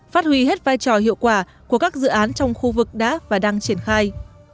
phát huy hết vai trò hiệu quả của các dự án trong khu vực đã và đang triển khai